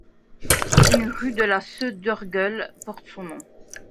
Une rue de La Seu d'Urgell porte son nom.